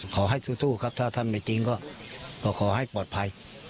ขอให้สู้ครับถ้าท่านไม่จริงก็ขอให้ปลอดภัย